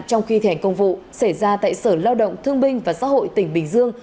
trong khi thẻnh công vụ xảy ra tại sở lao động thương binh và xã hội tỉnh bình dương